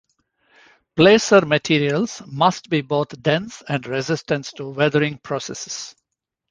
Placer materials must be both dense and resistant to weathering processes.